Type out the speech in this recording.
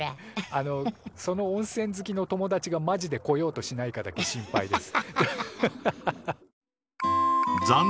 あのその温泉好きの友達がマジで来ようとしないかだけ心配です。